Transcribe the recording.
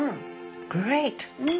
グレート！